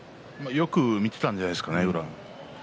よく見ていたんじゃないですか、宇良を。